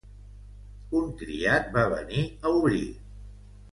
Un criat va venir a obrir.